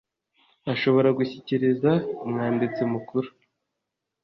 ashobora gushyikiriza Umwanditsi Mukuru